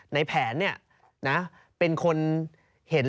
ในแผนเนี่ยเป็นคนเห็น